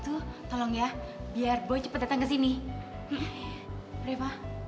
aturan ya kita kawal boy sampai sini tau gak